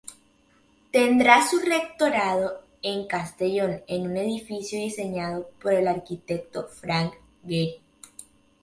Tendrá su rectorado en Castellón, en un edificio diseñado por el arquitecto Frank Gehry.